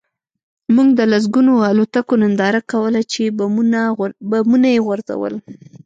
موږ د لسګونو الوتکو ننداره کوله چې بمونه یې غورځول